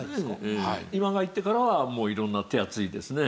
今川行ってからは色んな手厚いですね